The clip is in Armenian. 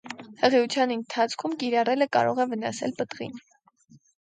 Հղիության ընթացքում կիրառելը կարող է վնասել պտղին։